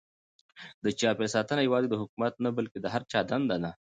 د چاپیریال ساتنه یوازې د حکومت نه بلکې د هر چا دنده ده.